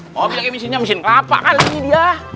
mau bilang emisinya mesin kelapa kali ini dia